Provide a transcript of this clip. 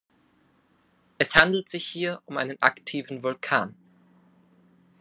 Es handelt sich hier um einen aktiven Vulkan.